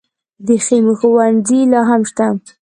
د خیمو ښوونځي لا هم شته؟